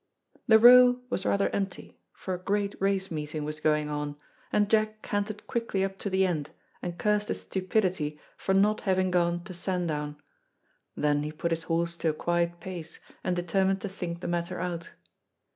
The Row was rather empty, for a great race meeting was going on, and Jack cantered quickly up to the end, and cursed his stupidity for not having gone to Sandown. Then he put his horse to a quiet pace, and determined to think the matter out.